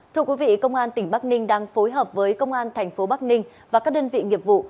thưa quý vị công an tỉnh bắc ninh đang phối hợp với công an thành phố bắc ninh và các đơn vị nghiệp vụ